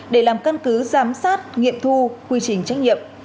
để làm căn cứ giám sát nghiệm thu quy trình trách nhiệm